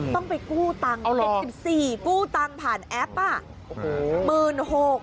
ต้องไปกู้ตังค์๗๔กู้ตังค์ผ่านแอปอ่ะ